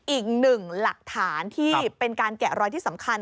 อีกหนึ่งหลักฐานที่เป็นการแกะรอยที่สำคัญ